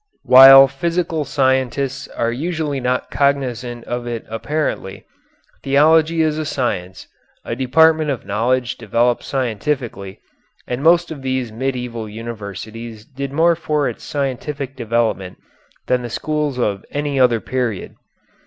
While physical scientists are usually not cognizant of it apparently, theology is a science, a department of knowledge developed scientifically, and most of these medieval universities did more for its scientific development than the schools of any other period.